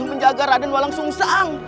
menjaga raden walang sungsang